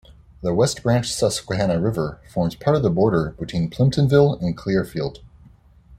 The West Branch Susquehanna River forms part of the border between Plymptonville and Clearfield.